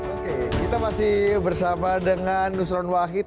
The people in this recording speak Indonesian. oke kita masih bersama dengan nusron wahid